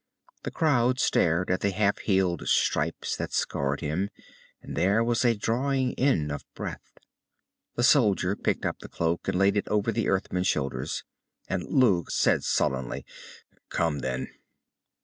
The crowd stared at the half healed stripes that scarred him, and there was a drawing in of breath. The soldier picked up the cloak and laid it over the Earthman's shoulders. And Lugh said sullenly, "Come, then."